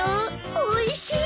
おいしい！